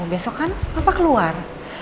besok kan papa keluar